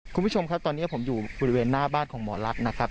คุณผู้ชมครับตอนนี้ผมอยู่บริเวณหน้าบ้านของหมอลักษณ์นะครับ